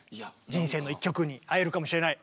人生の一曲に会えるかもしれない。